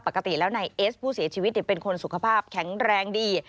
ปกติแล้วนายเอสผู้เสียชีวิตเป็นคนสุขภาพแข็งแรงดี